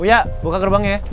buya buka gerbangnya ya